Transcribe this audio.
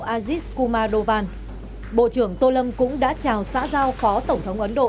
aziz kuma dovan bộ trưởng tô lâm cũng đã chào xã giao phó tổng thống ấn độ